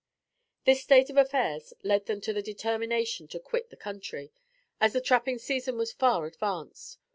This state of affairs led them to the determination to quit the country, as the trapping season was far advanced.